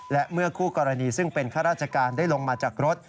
และเมื่อคู่กรณีซึ่งเป็นข้าราชการได้ลงมาจากรถ